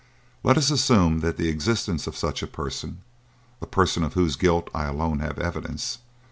Let us assume the existence of such a person a person of whose guilt I alone have evidence.